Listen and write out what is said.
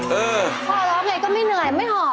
พ่อร้องไงก็ไม่เหนื่อยไม่หอม